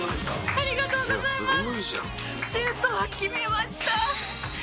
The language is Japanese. ありがとうございます。